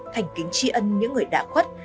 thành kính tri ân những người đã khuất